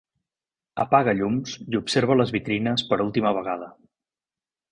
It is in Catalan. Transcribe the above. Apaga llums i observa les vitrines per última vegada.